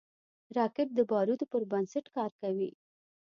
راکټ د بارودو پر بنسټ کار کوي